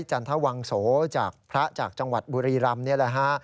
จันทะวังโสจากพระจังหวัดบุรีรัมนี่แหละ